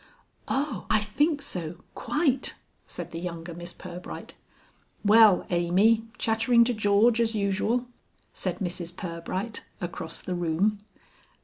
"Oh! I think so quite," said the younger Miss Pirbright. "Well, Amy, chattering to George as usual?" said Mrs Pirbright, across the room.